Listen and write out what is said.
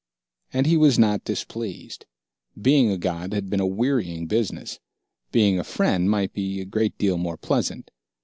And he was not displeased. Being a god had been a wearying business. Being a friend might be a great deal more pleasant.